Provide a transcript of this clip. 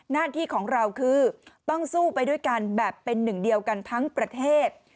หน้าที่ของเราคือต้องสู้ไปด้วยกันแบบเป็นหนึ่งเดียวกันทั้งประเทศ